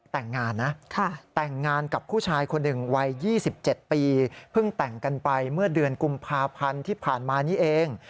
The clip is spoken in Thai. แต่งงานนะแต่งงานกับผู้ชายคนหนึ่งวัย๒๗ปีเพิ่งแต่งกันไปเมื่อเดือนกุมภาพันธ์ที่ผ่านมานี้เอง